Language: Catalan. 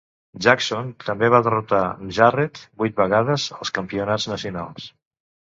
Jackson també va derrotar Jarrett vuit vegades als campionats nacionals.